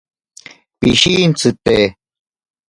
Pishintsite.